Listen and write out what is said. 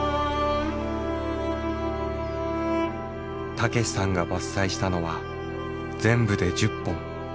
武さんが伐採したのは全部で１０本。